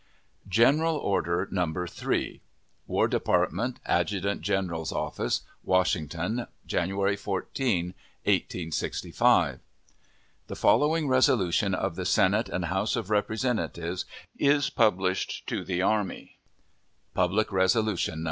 [General Order No. 3.] WAR DEPARTMENT, ADJUTANT GENERAL'S OFFICE WASHINGTON, January 14, 1865. The following resolution of the Senate and House of Representatives is published to the army: [PUBLIC RESOLUTION No.